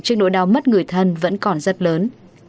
trước nỗi đau mất người thân vẫn còn rất lớn